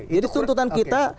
jadi tuntutan kita